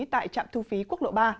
tại trạm thu phí quốc lộ ba